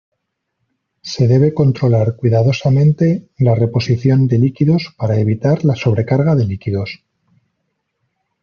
Se debe controlar cuidadosamente la reposición de líquidos para evitar la sobrecarga de líquidos.